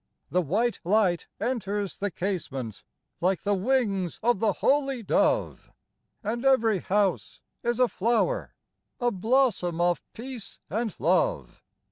The white light enters the casement Like the wings of the Holy Dove ; And every house is a flower, A blossom of peace and love.